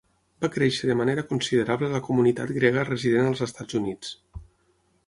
Va créixer de manera considerable la comunitat grega resident als Estats Units.